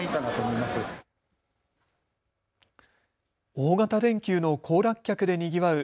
大型連休の行楽客でにぎわう